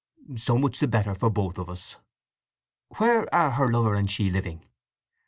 "So much the better for both of us." "Where are her lover and she living?"